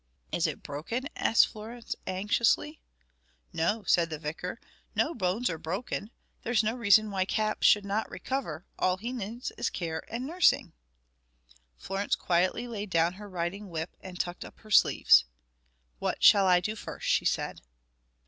"Is it broken?" asked Florence anxiously. "No," said the vicar. "No bones are broken. There's no reason why Cap should not recover; all he needs is care and nursing." Florence quietly laid down her riding whip and tucked up her sleeves. "What shall I do first?" she said.